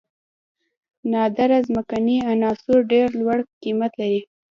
نادره ځمکنۍ عناصر ډیر لوړ قیمت لري.